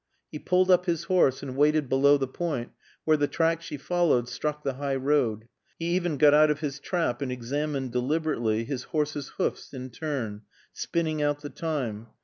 He pulled up his horse and waited below the point where the track she followed struck the high road; he even got out of his trap and examined, deliberately, his horse's hoofs in turn, spinning out the time.